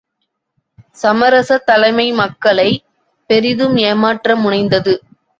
சமரசத் தலைமை மக்களைப் பெரிதும் ஏமாற்ற முனைந்தது.